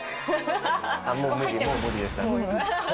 あっ、もう無理、もう無理です。